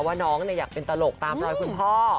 ว่าน้องอยากเป็นตลกตามรอยคุณพ่อ